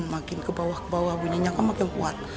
makin ke bawah kebawah bunyinya kan makin kuat